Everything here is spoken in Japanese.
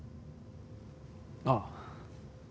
ああ。